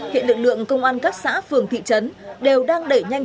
hiện lực lượng công an các xã phường thị trấn đều đang đẩy nhanh